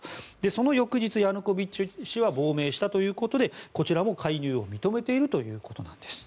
その翌日ヤヌコビッチ氏は亡命したということでこちらも介入を認めているということなんです。